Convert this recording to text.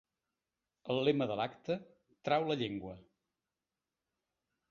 El lema de l’acte, Trau la llengua!